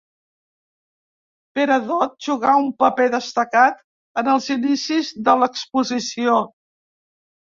Pere Dot jugà un paper destacat en els inicis de l'exposició.